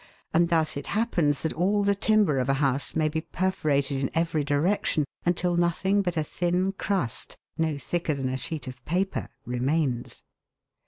and thus it happens that all the timber of a house may be perforated in every direction until nothing but a thin crust, no thicker than a sheet of paper, remains.